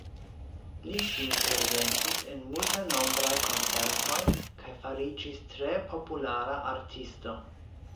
Li sin prezentis en multenombraj koncertoj kaj fariĝis tre populara artisto.